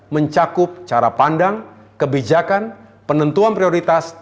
mencakup cara pandang kebijakan penentuan prioritas